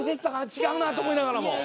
違うなと思いながらも。